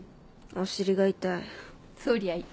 お尻が痛い。